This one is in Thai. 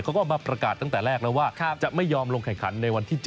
เขาก็มาประกาศตั้งแต่แรกแล้วว่าจะไม่ยอมลงแข่งขันในวันที่๗